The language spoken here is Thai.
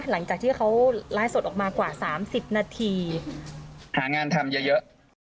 หลังจากที่เขาไล่สดออกมากว่าสามสิบนาทีหางานทำเยอะเยอะ